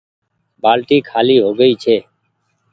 بآلٽي خآلي هوگئي ڇي